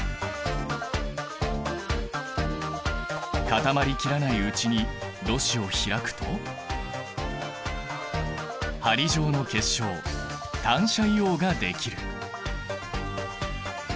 固まりきらないうちにろ紙を開くと針状の結晶単斜硫黄ができる。